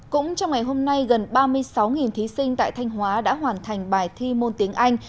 cũng trong ngày hôm nay gần ba mươi sáu thí sinh tại thanh hóa đã hoàn thành bài thi môn tiếng anh